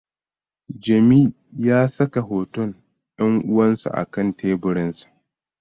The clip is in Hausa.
Jami ya saka hoton yan uwansa a kan teburinsa.